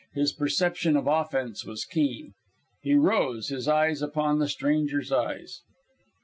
His perception of offense was keen. He rose, his eyes upon the stranger's eyes.